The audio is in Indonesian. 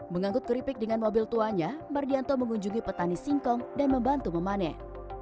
mengangkut keripik dengan mobil tuanya mardianto mengunjungi petani singkong dan membantu memanen